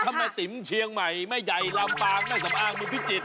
แม่ติ๋มเชียงใหม่แม่ใหญ่ลำปางแม่สำอางมีพิจิตร